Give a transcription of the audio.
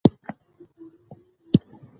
آب وهوا د افغان ماشومانو د لوبو یوه موضوع ده.